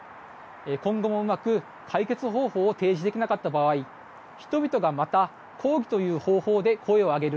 今後も、うまく解決方法を提示できなかった場合人々がまた抗議という方法で声を上げる。